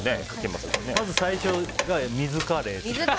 まず最初、水カレー。